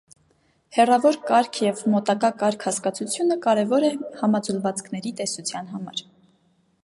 Հեռավոր կարգ և մոտակա կարգ հասկացությունը կարևոր է համաձուլվածքների տեսության համար։